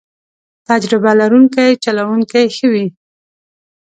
تجربه لرونکی چلوونکی ښه وي.